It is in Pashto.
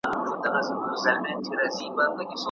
که خلګ واوري، ستونزي حل کېږي.